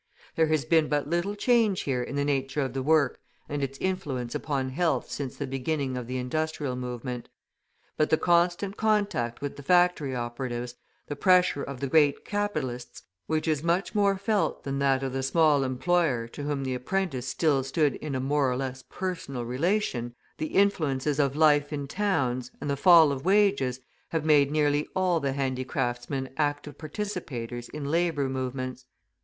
There has been but little change here in the nature of the work and its influence upon health since the beginning of the industrial movement. But the constant contact with the factory operatives, the pressure of the great capitalists, which is much more felt than that of the small employer to whom the apprentice still stood in a more or less personal relation, the influences of life in towns, and the fall of wages, have made nearly all the handicraftsmen active participators in labour movements.